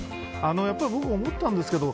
僕思ったんですけど